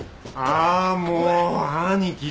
ああもう兄貴。